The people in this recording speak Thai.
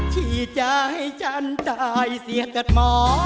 ที่จะให้ฉันตายเสียกับหมอ